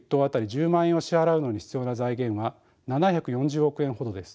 １０万円を支払うのに必要な財源は７４０億円ほどです。